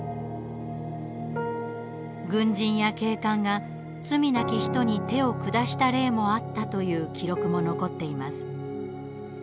軍人や警官が罪なき人に手を下した例もあったという記録も残っています。